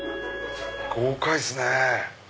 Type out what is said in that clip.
豪快っすね！